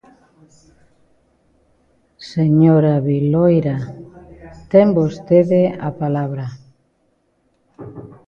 Señora Viloira, ten vostede a palabra.